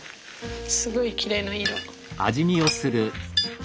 すごいきれいな色。